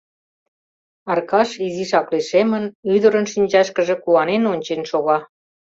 — Аркаш изишак лишемын, ӱдырын шинчашкыже куанен ончен шога.